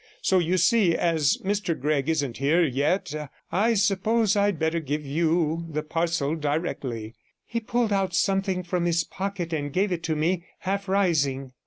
So, you see, as Mr Gregg isn't here yet, I suppose I'd better give you the parcel directly.' He pulled out something from his pocket, and gave it to me, half rising.